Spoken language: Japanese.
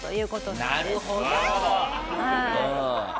なるほど。